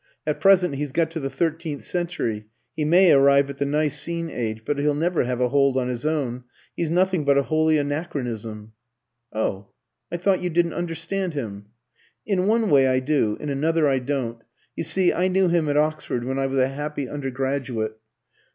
At present he's got to the thirteenth century; he may arrive at the Nicene age, but he'll never have a hold on his own. He's nothing but a holy anachronism." "Oh? I thought you didn't understand him?" "In one way I do, in another I don't. You see I knew him at Oxford when I was a happy undergraduate."